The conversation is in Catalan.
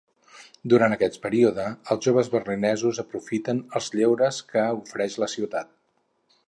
Durant aquest període, els joves Berlinesos aprofiten els lleures que ofereix la ciutat.